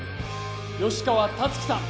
吉川辰樹さん